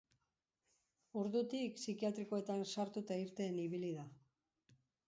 Ordutik, psikiatrikoetan sartu eta irten ibili da.